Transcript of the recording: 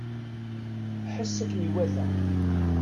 Ḥess akken iwata.